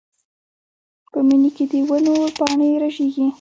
په مني کې د ونو پاڼې رژېږي.